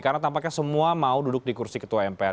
karena tampaknya semua mau duduk di kursi ketua mpr